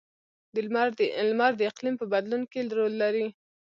• لمر د اقلیم په بدلون کې رول لري.